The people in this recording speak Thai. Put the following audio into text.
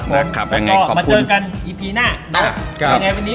ถ้าพูดแล้วเจอกันอีพีหน้า